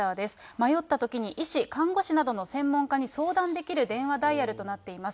迷ったときに、医師、看護師などの専門家に相談できる電話ダイヤルとなっています。